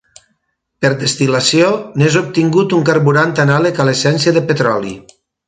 Per destil·lació n'és obtingut un carburant anàleg a l'essència de petroli.